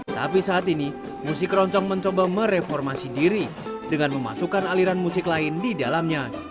tapi saat ini musik keroncong mencoba mereformasi diri dengan memasukkan aliran musik lain di dalamnya